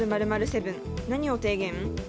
○７、何を提言？